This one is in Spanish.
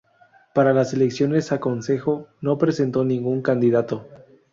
Para las elecciones a Concejo no presentó ningún candidato.